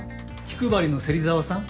気配りの芹沢さん。